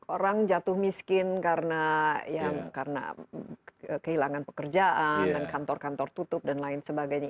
orang jatuh miskin karena kehilangan pekerjaan dan kantor kantor tutup dan lain sebagainya